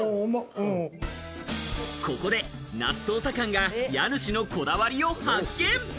ここで那須捜査官が家主のこだわりを発見。